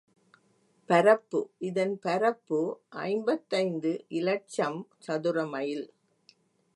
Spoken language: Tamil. பரப்பு இதன் பரப்பு ஐம்பத்தைந்து இலட்சம் சதுர மைல்.